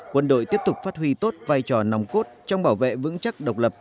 quân đội tiếp tục phát huy tốt vai trò nòng cốt trong bảo vệ vững chắc độc lập